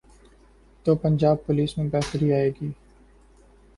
تو پنجاب پولیس میں بہتری آئے گی۔